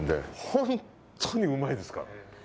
本当にうまいですから。